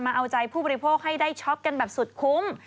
เอาใจผู้บริโภคให้ได้ช็อปกันแบบสุดคุ้ม